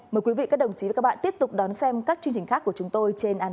mời quý vị các đồng chí và các bạn tiếp tục đón xem các chương trình khác của chúng tôi trên anntv